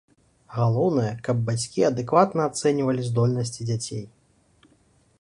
Галоўнае, каб бацькі адэкватна ацэньвалі здольнасці дзяцей.